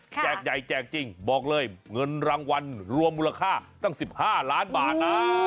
ใหญ่แจกจริงบอกเลยเงินรางวัลรวมมูลค่าตั้ง๑๕ล้านบาทนะ